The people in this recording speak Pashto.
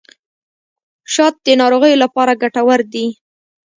شات د ناروغیو لپاره ګټور دي.